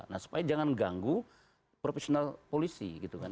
nah supaya jangan ganggu profesional polisi gitu kan